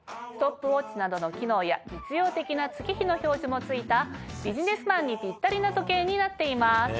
ストップウオッチなどの機能や実用的な月日の表示もついたビジネスマンにピッタリの時計になっています。